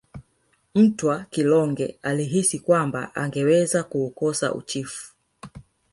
Mtwa kilonge alihisi kwamba angeweza kuukosa uchifu